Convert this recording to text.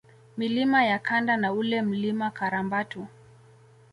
Milima ya Kanda na ule Mlima Karambatu